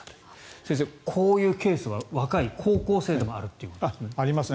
先生、こういうケースは若い高校生でもあると。ありますね。